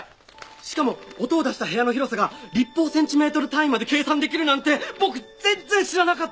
しかも音を出した部屋の広さが立方センチメートル単位まで計算できるなんて僕全然知らなかった！